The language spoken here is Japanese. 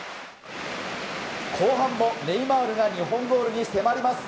後半もネイマールが日本ゴールに迫ります。